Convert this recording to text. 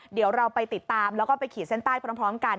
เดี๋ยวเราไปติดตามแล้วก็ไปขีดเส้นใต้พร้อมกัน